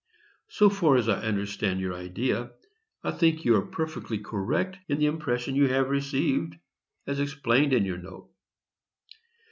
So far as I understand your idea, I think you are perfectly correct in the impression you have received, as explained in your note.